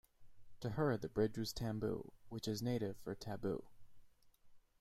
To her the bridge was tambo, which is the native for taboo.